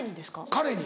彼に。